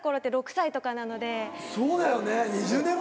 そうだよね。